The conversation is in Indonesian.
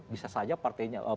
bisa saja partainya